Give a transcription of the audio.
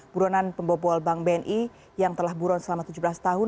buronan pembobol bank bni yang telah buron selama tujuh belas tahun